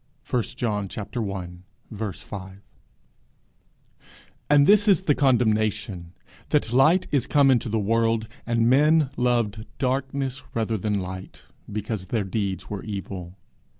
_ 1 John i. 5. _And this is the condemnation, that light is come into the world, and men loved darkness rather than light; because their deeds were evil.